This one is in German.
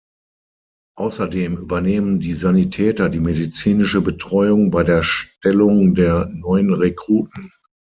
Außerdem übernehmen die Sanitäter die medizinische Betreuung bei der Stellung der neuen Rekruten.